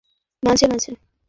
কোমরেও টান দেয় মাঝে মাঝে।